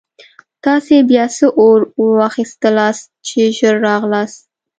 تاسې بیا څه اورا واخیستلاست چې ژر راغلاست.